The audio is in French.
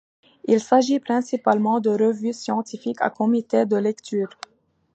Il s'agit principalement de revues scientifiques, à comité de lecture.